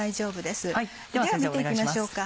では見て行きましょうか。